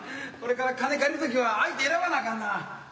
これから金借りるときは相手選ばなあかんな。